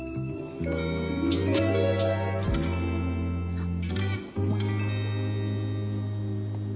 あっ。